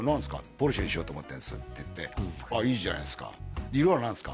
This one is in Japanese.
ポルシェにしようと思ってるんですって言ってああいいじゃないですか色は何ですか？